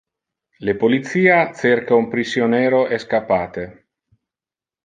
Le policia cerca un prisionero escappate.